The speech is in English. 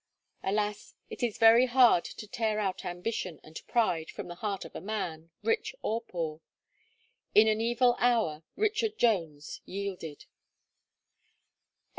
Alas! it is very hard to tear out ambition and pride from the heart of man, rich or poor. In an evil hour, Richard Jones yielded.